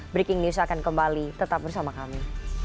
breaking news akan kembali tetap bersama kami